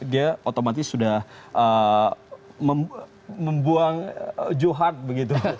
dia otomatis sudah membuang johard begitu